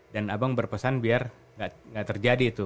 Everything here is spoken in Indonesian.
dan abang berpesan biar nggak terjadi itu